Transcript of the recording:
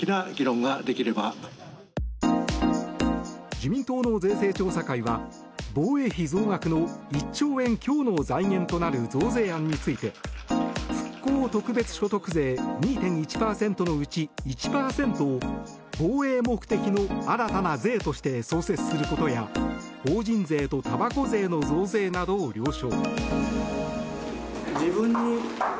自民党の税制調査会は防衛費増額の１兆円強の財源となる増税案について復興特別所得税２．１％のうち１％を防衛目的の新たな税として創設することや法人税とたばこ税の増税などを了承。